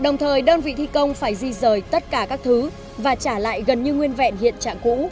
đồng thời đơn vị thi công phải di rời tất cả các thứ và trả lại gần như nguyên vẹn hiện trạng cũ